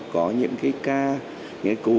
có những cái ca những cái cú